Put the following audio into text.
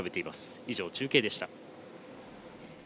以上、中継でした。